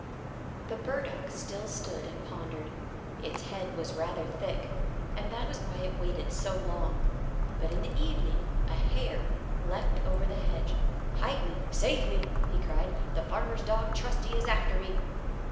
The burdock still stood and pondered. Its head was rather thick, and that was why it waited so long. But in the evening a hare leapt over the hedge. "Hide me! Save me!" he cried. "The farmer's dog Trusty is after me."